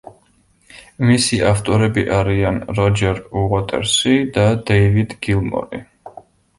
მისი ავტორები არიან როჯერ უოტერსი და დეივიდ გილმორი.